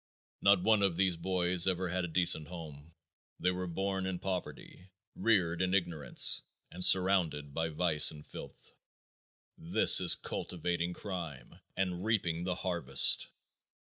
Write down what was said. Not one of these boys ever had a decent home. They were born in poverty, reared in ignorance, and surrounded by vice and filth. This is cultivating crime and reaping the harvest.